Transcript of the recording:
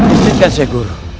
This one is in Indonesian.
isikan syekh guru